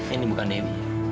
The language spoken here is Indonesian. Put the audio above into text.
ini bukan em